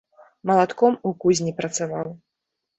Малатком у кузні працаваў.